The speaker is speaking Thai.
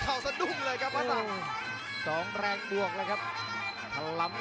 จังหวาดึงซ้ายตายังดีอยู่ครับเพชรมงคล